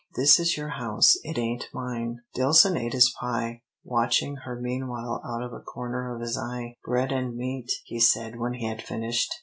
This is your house. It ain't mine." Dillson ate his pie, watching her meanwhile out of a corner of his eye. "Bread and meat," he said when he had finished.